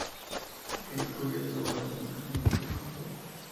Key, cuyas obras en ocasiones se confunden.